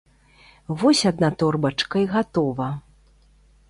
Вось адна торбачка і гатова!